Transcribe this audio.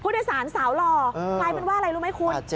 โดยสารสาวหล่อกลายเป็นว่าอะไรรู้ไหมคุณ